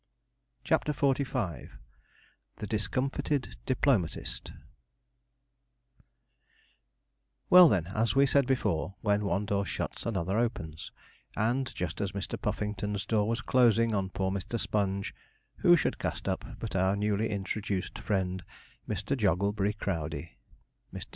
CHAPTER XLV THE DISCOMFITED DIPLOMATIST Well, then, as we said before, when one door shuts another opens; and just as Mr. Puffington's door was closing on poor Mr. Sponge, who should cast up but our newly introduced friend, Mr. Jogglebury Crowdey. Mr.